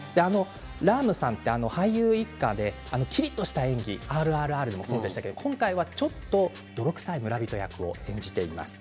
ラームさんは俳優一家できりっとした演技「ＲＲＲ」もそうでしたけれども今回は泥臭い村人役を演じています。